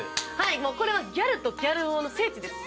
これはギャルとギャル男の聖地です。